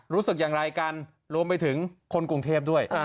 รู้สึกอย่างไรกันรวมไปถึงคนกรุงเทพด้วย